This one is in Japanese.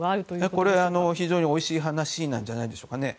これは非常においしい話なんじゃないでしょうか。